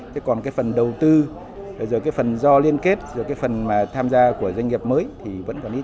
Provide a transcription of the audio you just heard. thế còn cái phần đầu tư rồi cái phần do liên kết giữa cái phần mà tham gia của doanh nghiệp mới thì vẫn còn ít